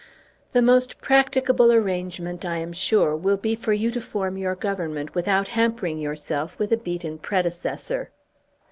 "The most practicable arrangement, I am sure, will be for you to form your Government without hampering yourself with a beaten predecessor."